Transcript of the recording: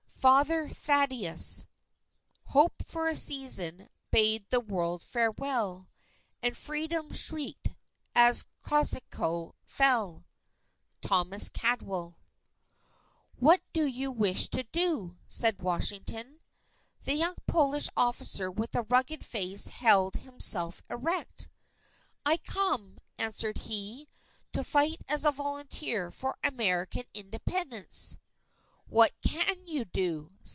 FATHER THADDEUS Hope, for a season, bade the world farewell, And Freedom shrieked, as Kosciuszko fell! THOMAS CAMPBELL "What do you wish to do?" said Washington. The young Polish officer with a rugged face, held himself erect. "I come," answered he, "to fight as a volunteer for American Independence." "What can you do?"